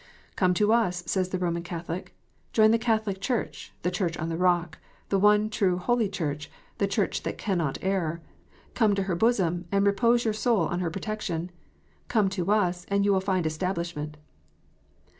" Come to us," says the Roman Catholic. " Join the Catholic Church, the Church on the Rock, the one, true, holy Church ; the Church that cannot err. Come to her bosom, and repose your soul on her protection. Come to us, and you will find establishment."